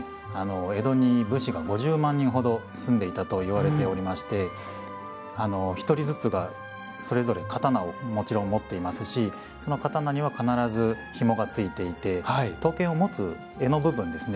江戸に武士が５０万人ほど住んでいたといわれておりまして１人ずつがそれぞれ刀をもちろん持っていますしその刀には必ずひもがついていて刀剣を持つ柄の部分ですね